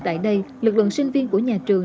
tại đây lực lượng sinh viên của nhà trường